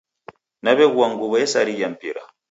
Naw'eghua nguw'o esarigha mpira.